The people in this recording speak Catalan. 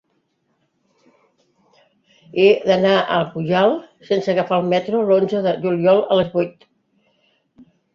He d'anar a Pujalt sense agafar el metro l'onze de juliol a les vuit.